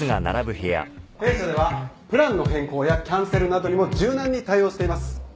弊社ではプランの変更やキャンセルなどにも柔軟に対応しています。